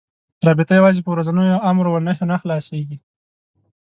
رابطه یوازې په ورځنيو امر و نهيو نه خلاصه کېږي.